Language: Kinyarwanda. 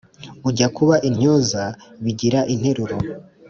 Ujya kuba intyoza bigira interuro;